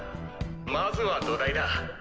まずは土台だ！